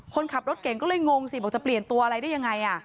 คนขับรถเก่งก็เลยงงสิบอกจะเปลี่ยนตัวอะไรได้ยังไง